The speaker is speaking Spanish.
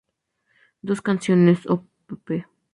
Dos canciones, op.